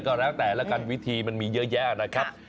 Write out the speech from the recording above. ก็แล้วแต่ละกันวิธีมันมีเยอะแยะนะครับ